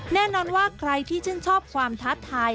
แน่นอนว่าใครที่ชื่นชอบความท้าทาย